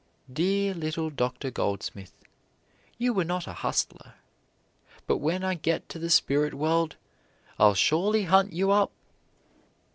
Dear little Doctor Goldsmith, you were not a hustler, but when I get to the Spirit World, I'll surely hunt you up!